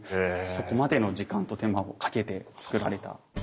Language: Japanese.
そこまでの時間と手間をかけてつくられた。